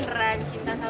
salah satu aja